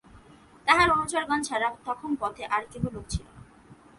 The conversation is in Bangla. তাঁহার অনুচরগণ ছাড়া তখন পথে আর কেহ লোক ছিল না।